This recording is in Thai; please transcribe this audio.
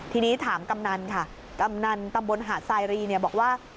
ทีนี้ถามกำนันค่ะกำนันตำบลหาดสายรีเนี่ยบอกว่า